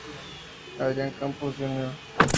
Adrián Campos, jr.